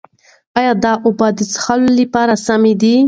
ایا دا اوبه د څښلو لپاره سمې دي؟